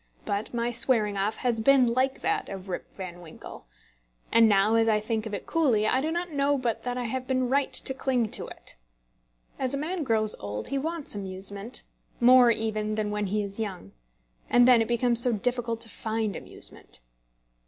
But my swearing off has been like that of Rip Van Winkle. And now, as I think of it coolly, I do not know but that I have been right to cling to it. As a man grows old he wants amusement, more even than when he is young; and then it becomes so difficult to find amusement.